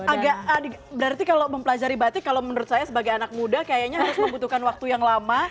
agak berarti kalau mempelajari batik kalau menurut saya sebagai anak muda kayaknya harus membutuhkan waktu yang lama